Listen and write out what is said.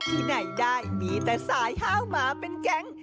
ที่ไหนได้มีแต่สายห้าวหมาเป็นแก๊ง